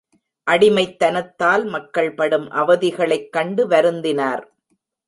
அடிமைத் தனத்தால் மக்கள் படும் அவதிகளைக் கண்டு வருந்தினார்.